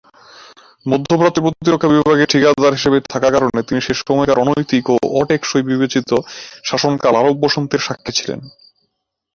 মধ্যপ্রাচ্যে প্রতিরক্ষা বিভাগের ঠিকাদার হিসেবে থাকার কারণে তিনি সে সময়কার অনৈতিক ও অ-টেকসই বিবেচিত শাসনকাল আরব বসন্তের সাক্ষী ছিলেন।